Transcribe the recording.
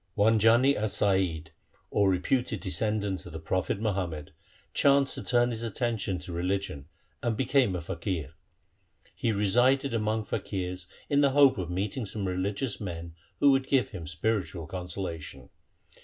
One Jani a Saiyid — or reputed descendant of the prophet Muhammad — chanced to turn his attention to religion and became a faqir. He resided among faqirs in the hope of meeting some religious men who would give him spiritual consolation.